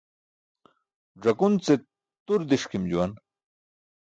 Ẓakun ce tur diṣkim juwan.